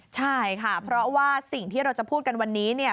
ใช่ค่ะเพราะว่าสิ่งที่เราจะพูดกันวันนี้เนี่ย